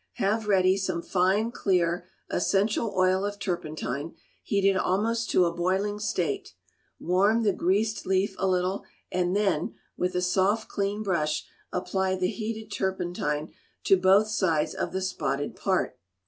Have ready some fine clear essential oil of turpentine heated almost to a boiling state, warm the greased leaf a little, and then, with a soft clean brush, apply the heated turpentine to both sides of the spotted part.